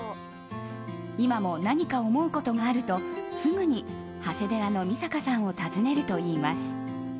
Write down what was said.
今も何か思うことがあるとすぐに長谷寺の美坂さんを訪ねるといいます。